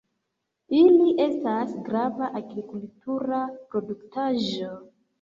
Ili estas grava agrikultura produktaĵo.